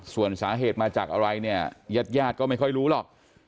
ส่วนสาเหตุมาจากอะไรเนี่ยญาติญาติก็ไม่ค่อยรู้หรอก